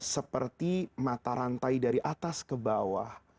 seperti mata rantai dari atas ke bawah